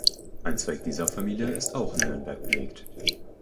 Ein Zweig dieser Familie ist auch in Nürnberg belegt.